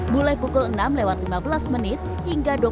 mulai pukul enam lima belas hingga dua puluh dua empat puluh lima